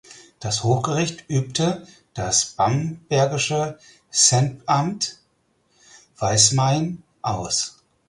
Das Hochgericht übte das bambergische Centamt Weismain aus.